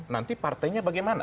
nanti partainya bagaimana